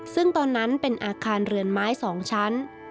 ซึ่งตอนนั้นเป็นอาคารเรือนไม้๒ชั้น